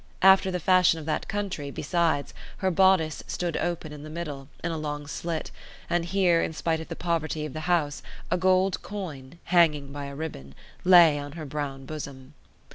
After the fashion of that country, besides, her bodice stood open in the middle, in a long slit, and here, in spite of the poverty of the house, a gold coin, hanging by a ribbon, lay on her brown bosom.